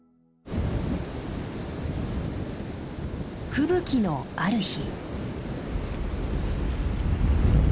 吹雪のある日。